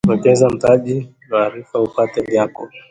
Wekeza mtaji na maarifa upate vyako